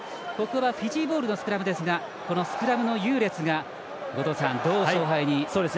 フィジーボールのスクラムですがこのスクラムの優劣がどう勝敗に？